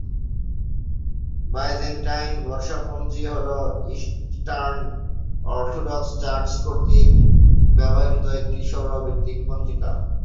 Byzantine বর্ষপঞ্জী হল Eastern Orthodox Church কর্তৃক ব্যবহৃত একটি সৌর ভিত্তিক পঞ্জিকা।